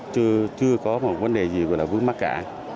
chưa có một vấn đề gì gọi là vứt mắc cả